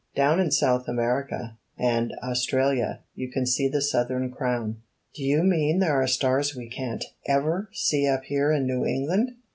Down in South America and Australia you can see the Southern Crown." "Do you mean there are stars we can't ever see up here in New England?"